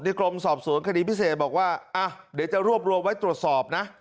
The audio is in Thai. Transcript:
กรมสอบสวนคดีพิเศษบอกว่าเดี๋ยวจะรวบรวมไว้ตรวจสอบนะ